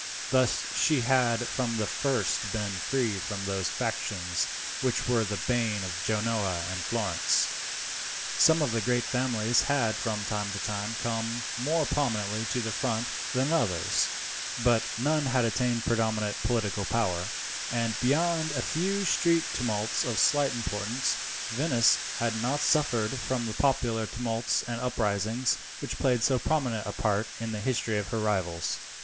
Thus she had from the first been free from those factions which were the bane of Genoa and Florence. Some of the great families had from time to time come more prominently to the front than others, but none had attained predominant political power, and beyond a few street tumults of slight importance, Venice had not suffered from the popular tumults and uprisings which played so prominent a part in the history of her rivals.